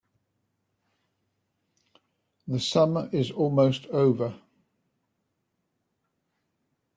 The summer is almost over.